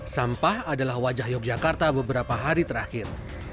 sampah adalah wajah yogyakarta beberapa hari terakhir